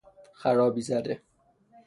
خرابی زده